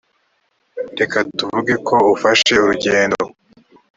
reka tuvuge ko ufashe urugendo